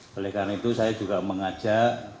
tapi saya juga mengajak